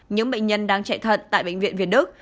những bệnh nhân đang chạy thận tại bệnh viện việt đức